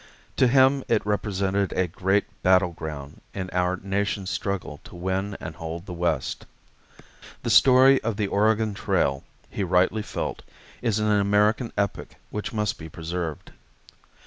To him it represented a great battle ground in our nation's struggle to win and hold the West. The story of the Oregon Trail, he rightly felt, is an American epic which must be preserved.